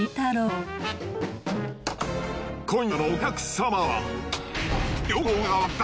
今夜のお客様は。